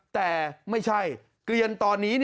แต่ไม่ใช่เกลียนตอนนี้